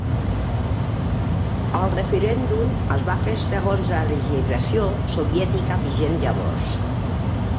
El referèndum es va fer segons la legislació soviètica vigent llavors.